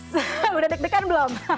sudah deg degan belum